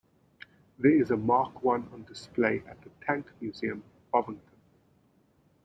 There is a Mark One on display at The Tank Museum, Bovington.